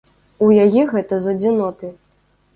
У яе гэта з адзіноты.